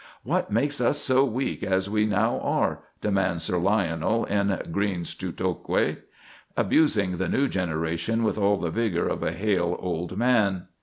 "What makes us so weak as we now are?" demands Sir Lionel, in "Greene's Tu Quoque," abusing the new generation with all the vigor of a hale old man.